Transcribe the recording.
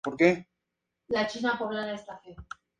Nate toma el Emisario Precursor bajo custodia.